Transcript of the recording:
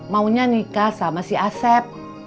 maunya nikah sama si asep